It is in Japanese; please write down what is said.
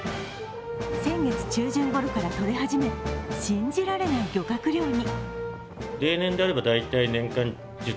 先月中旬ごろからとれ始め、信じられない漁獲量に。